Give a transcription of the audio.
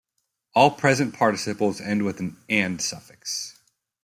All present participles end with an -ande suffix.